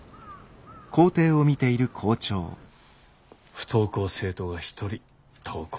不登校生徒が１人登校したか。